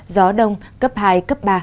gió đông cấp hai cấp ba